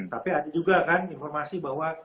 tapi ada juga kan informasi bahwa